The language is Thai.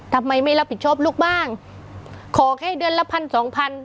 ทำไมไม่รับผิดชอบลูกบ้างขอแค่เดือนละพันสองพัน